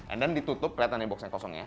and then ditutup lihat tadi box nya kosongnya